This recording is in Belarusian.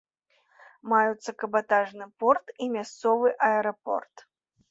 Маюцца кабатажны порт і мясцовы аэрапорт.